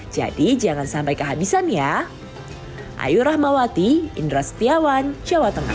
jadi jangan sampai kehabisan ya ayo rahmawati indra setiawan jawa tengah